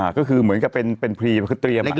ก็คือเหมือนกับเป็นพรีคือเตรียม